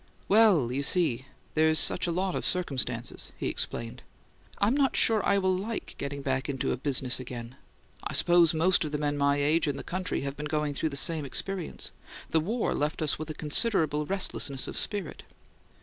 "Well, you see, there's such a lot of circumstances," he explained; "I'm not sure I'll like getting back into a business again. I suppose most of the men of my age in the country have been going through the same experience: the War left us with a considerable restlessness of spirit."